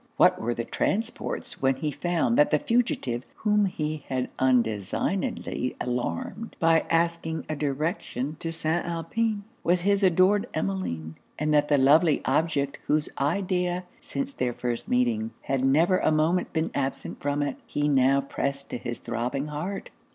What were his transports, when he found that the fugitive whom he had undesignedly alarmed by asking a direction to St. Alpin, was his adored Emmeline; and that the lovely object whose idea, since their first meeting, had never a moment been absent from it, he now pressed to his throbbing heart?